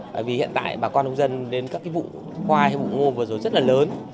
bởi vì hiện tại bà con đông dân đến các vụ khoai hay vụ ngô vừa rồi rất là lớn